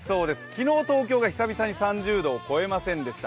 昨日、東京が久々に３０度を超えませんでした。